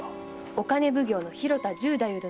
御金奉行の広田十太夫殿。